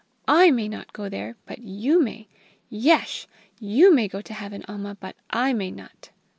I may not go there, but you may! Yesh! you may go to Heaven, Amma, but I may not!"